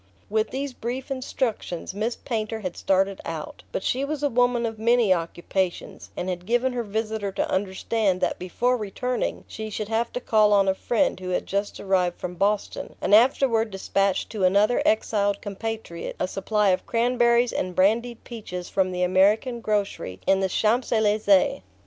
With these brief instructions Miss Painter had started out; but she was a woman of many occupations, and had given her visitor to understand that before returning she should have to call on a friend who had just arrived from Boston, and afterward despatch to another exiled compatriot a supply of cranberries and brandied peaches from the American grocery in the Champs Elysees.